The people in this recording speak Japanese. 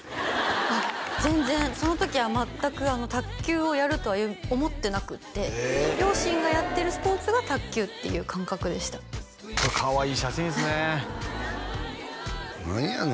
全然その時は全く卓球をやるとは思ってなくって両親がやってるスポーツが卓球っていう感覚でしたこれかわいい写真ですね何やの？